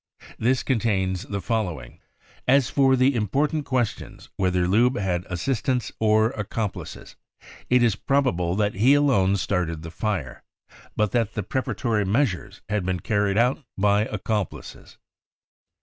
This contains $ie following : THE REAL INCENDIARIES 107 " As for the important question whether Lubbe had assistants or accomplices, it is probable that he alone started the fire, but that the preparatory measures had been carried out by accomplices."